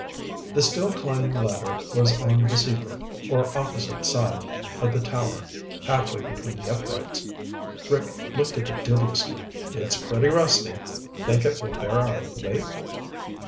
The steel climbing ladder was on the Seaford, or opposite side, of the tower halfway between the uprights. Rick looked at it dubiously. "It's pretty rusty. Think it will bear our weight?"